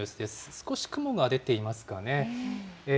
少し雲が出ていますかね。